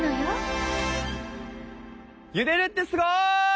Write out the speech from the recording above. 「ゆでる」ってすごい！